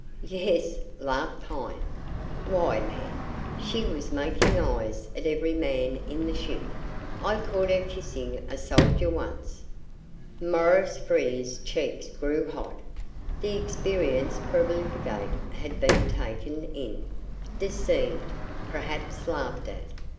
"Yes!" laughed Pine. "Why, man, she was making eyes at every man in the ship! I caught her kissing a soldier once." Maurice Frere's cheeks grew hot. The experienced profligate had been taken in, deceived, perhaps laughed at.